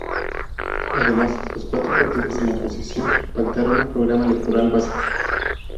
Además, los cuatro partidos de la oposición pactaron un programa electoral básico.